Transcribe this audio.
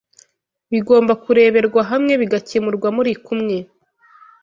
bigomba kureberwa hamwe bigakemurwa muri kumwe